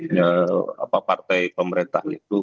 itu apa partai pemerintah liput